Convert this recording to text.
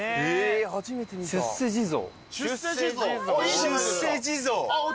出世地蔵。